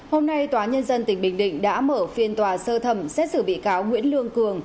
hôm nay tòa nhân dân tỉnh bình định đã mở phiên tòa sơ thẩm xét xử bị cáo nguyễn lương cường